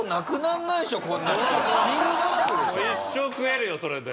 一生食えるよそれで。